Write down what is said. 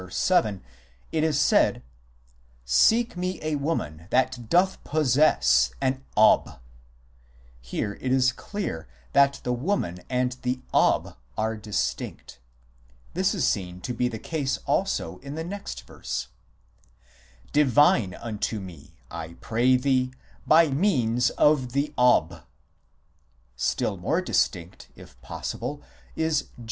7 it is said :" Seek me a woman that doth possess (or "is mistress of ") an Ob " 1 ; here it is clear that the woman and the Ob are distinct ; this is seen to be the case also in the next verse :" Divine unto me, I pray thee, by means of the <?&." Still more distinct, if possible, is Deut.